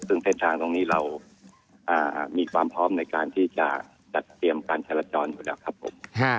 ซึ่งเส้นทางตรงนี้เรามีความพร้อมในการที่จะจัดเตรียมการจราจรอยู่แล้วครับผม